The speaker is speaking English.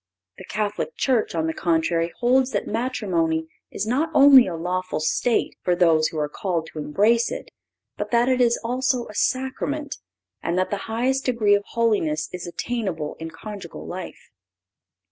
The Catholic Church, on the contrary, holds that matrimony is not only a lawful state, for those who are called to embrace it, but that it is also a Sacrament, and that the highest degree of holiness is attainable in conjugal life.